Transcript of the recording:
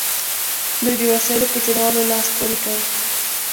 دوی د وسایلو په جوړولو لاس پورې کړ.